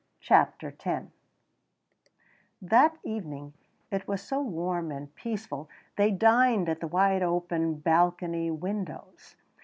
CHAPTER X That evening it was so warm and peaceful they dined at the wide open balcony windows.